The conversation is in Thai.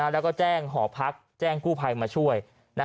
แล้วก็แจ้งหอพักแจ้งกู้ภัยมาช่วย